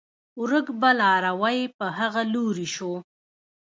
ورک به لاروی په هغه لوري شو